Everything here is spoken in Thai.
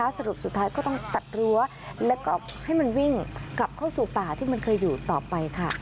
สรุปสุดท้ายก็ต้องตัดรั้วแล้วก็ให้มันวิ่งกลับเข้าสู่ป่าที่มันเคยอยู่ต่อไปค่ะ